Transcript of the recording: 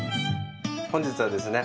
本日はですね